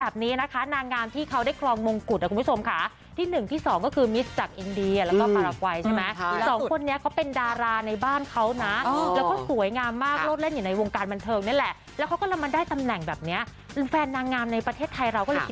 แบบนี้นะคะนางงามที่เขาได้คลองมงกุฎครับคุณผู้ชมค่ะที่๑ที่๒ก็คือมิแลาก